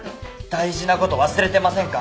大事なこと忘れてませんか？